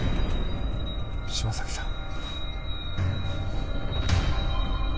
島崎さん。